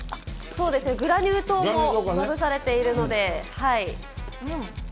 そうですね、グラニュー糖もまぶされているので。